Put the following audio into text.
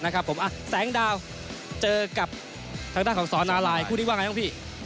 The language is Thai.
นะครับผมอ่ะแสงดาวเจอกับทางด้านของสอนาลายคู่นี้ว่าไงหรือเปล่าพี่